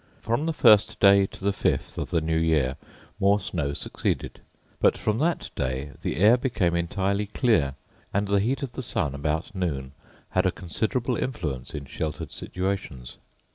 From the first day to the fifth of the new year more snow succeeded; but from that day the air became entirely clear; and the heat of the sun about noon had a considerable influence in sheltered situations.